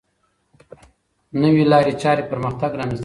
نوې لارې چارې پرمختګ رامنځته کوي.